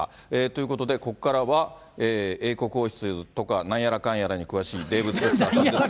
ということで、ここからは英国王室とか、なんやらかんやらに詳しいデーブ・スペクターさんです。